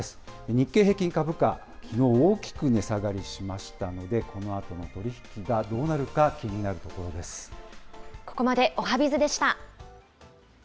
日経平均株価、きのう、大きく値下がりしましたので、このあとの取り引きがどうなるか、気になるここまでおはＢｉｚでした。